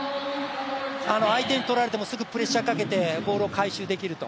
相手にとられてもすぐプレッシャーかけてボールを回収できると。